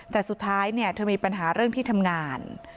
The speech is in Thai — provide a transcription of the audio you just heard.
แต่สุดท้ายเธอมีปัญหาเรื่องที่ทำงาน